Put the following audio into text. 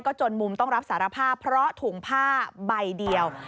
จนมุมต้องรับสารภาพเพราะถุงผ้าใบเดียว